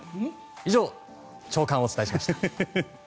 以上、朝刊をお伝えしました。